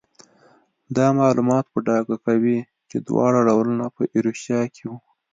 دا معلومات په ډاګه کوي چې دواړه ډولونه په ایروشیا کې وو.